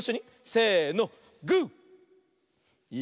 せの！